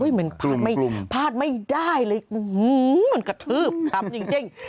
เหมือนพลาดไม่ได้เลยมันกระทืบทำจริง